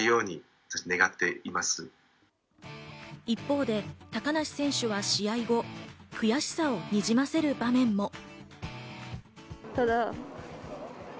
一方で高梨選手は試合後、悔しさをにじませる場面も。